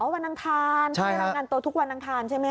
วันดังทานใช่ฮะที่จะรายงานตัวทุกวันดังทานใช่ไหมฮะ